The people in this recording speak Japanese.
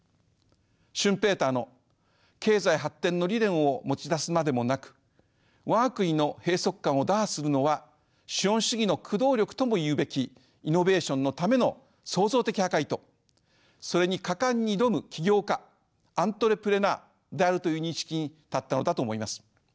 シュンペーターの経済発展の理念を持ち出すまでもなく我が国の閉塞感を打破するのは資本主義の駆動力ともいうべきイノベーションのための創造的破壊とそれに果敢に挑む起業家アントレプレナーであるという認識に至ったのだと思います。